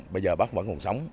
bây giờ bác vẫn còn sống